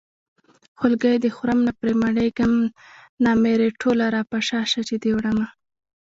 خولګۍ دې خورم نه پرې مړېږم نامرې ټوله راپشا شه چې دې وړمه